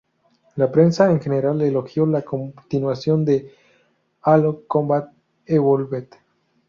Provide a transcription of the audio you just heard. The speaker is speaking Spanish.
La prensa en general elogió la continuación de "Halo: Combat Evolved".